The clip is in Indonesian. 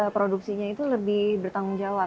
produksinya itu lebih bertanggung jawab